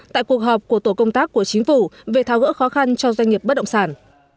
tại cuộc họp của tổ công tác của chính phủ về tháo gỡ khó khăn cho doanh nghiệp bất động sản